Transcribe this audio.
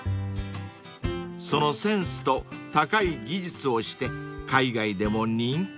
［そのセンスと高い技術をして海外でも人気なのだとか］